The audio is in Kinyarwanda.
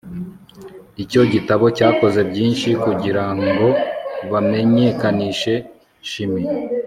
Icyo gitabo cyakoze byinshi kugirango bamenyekanishe chimie